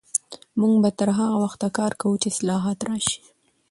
موږ به تر هغه وخته کار کوو چې اصلاحات راشي.